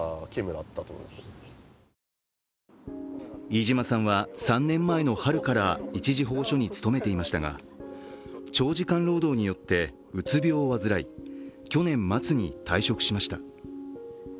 飯島さんは３年前の春から一時保護所に勤めていましたが長時間労働によって、うつ病を患い去年末に退職しました。